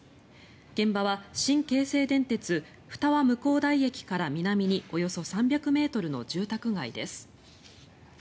現場は新京成電鉄二和向台駅から南におよそ３００ｍの住宅街です。